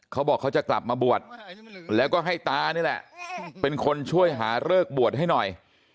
เขาบอกเขาจะกลับมาบวชแล้วก็ให้ตานี่แหละเป็นคนช่วยหาเลิกบวชให้หน่อย